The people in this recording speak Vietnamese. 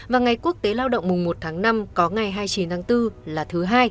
và ngày quốc tế lao động mùng một tháng năm có ngày hai mươi chín tháng bốn là thứ hai